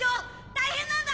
大変なんだ！